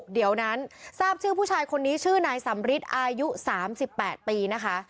เดี๋ยวนั้นทราบชื่อผู้ชายคนนี้ชื่อนายสำริทอายุ๓๘ปีนะคะ